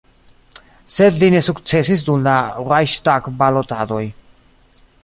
Sed li ne sukcesis dum la Reihstag-balotadoj.